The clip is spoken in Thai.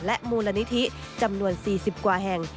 และมูลนิธิจำนวน๔๐กว่าแห่ง